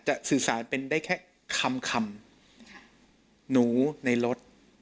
สื่อสารเป็นได้แค่คำคำหนูในรถ